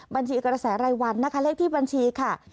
บัญชีกระแสไรวันเลขที่บัญชี